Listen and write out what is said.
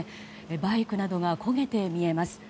バイクなどが焦げて見えます。